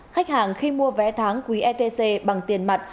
khách hàng khi mua vé tháng quý etc bằng tiền mặt